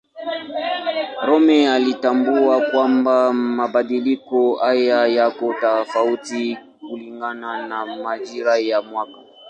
Rømer alitambua kwamba mabadiliko haya yako tofauti kulingana na majira ya mwaka.